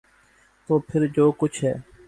تو پھر جو کچھ ہے۔